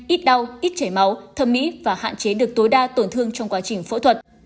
ít đau ít chảy máu thâm mỹ và hạn chế được tối đa tổn thương trong quá trình phẫu thuật